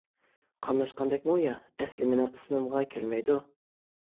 قاملاشقاندەكمۇ يا؟ ئەسلى مىنىڭ ئىسمىمغا كەلمەيدۇ.